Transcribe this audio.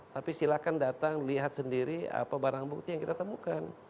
tapi silahkan datang lihat sendiri apa barang bukti yang kita temukan